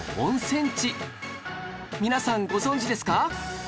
皆さんご存じですか？